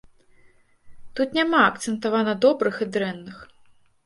Тут няма акцэнтавана добрых і дрэнных.